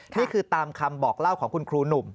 นี่คือตามคำบอกเล่าของคุณครูหนุ่ม